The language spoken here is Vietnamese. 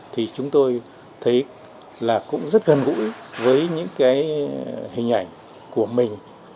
thì chúng tôi thấy là cũng rất gần gũi với những cái hình ảnh của mình